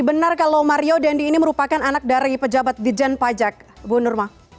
benar kalau mario dendi ini merupakan anak dari pejabat dijan pajak ibu nurma